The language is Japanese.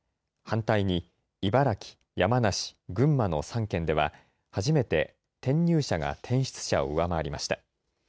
反対に茨城、山梨、群馬の３県では初めて転入者が転出者を上回りました。